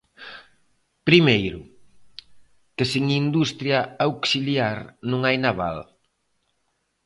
Primeiro, que sen industria auxiliar non hai naval.